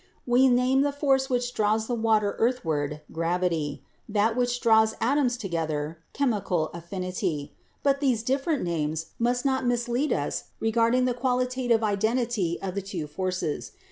We name the force which draws the water earthward 'gravity,' and that which draws atoms together 'chemical affinity' ; but these different names must not mislead us regarding the qualitative identity of the two forces.